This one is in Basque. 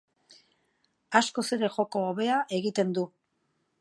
Askoz ere joko hobea egiten du.